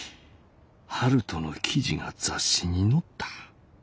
悠人の記事が雑誌に載った。